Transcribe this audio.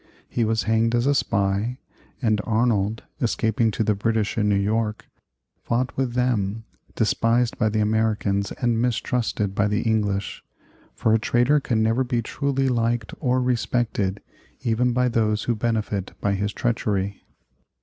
He was hanged as a spy, and Arnold, escaping to the British in New York, fought with them, despised by the Americans and mistrusted by the English; for a traitor can never be truly liked or respected even by those who benefit by his treachery.